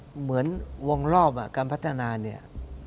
เหมือนวงรอบการพัฒนาเนี่ย